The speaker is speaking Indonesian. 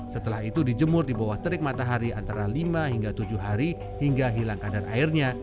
setelah itu dijemur di bawah terik matahari antara lima hingga tujuh hari hingga hilang kadar airnya